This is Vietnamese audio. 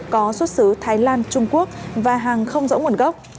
có xuất xứ thái lan trung quốc và hàng không rõ nguồn gốc